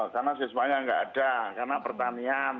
karena sesuanya nggak ada karena pertanian